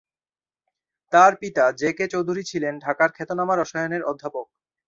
তার পিতা J K Chowdhury ছিলেন ঢাকার খ্যাতনামা রসায়নের অধ্যাপক।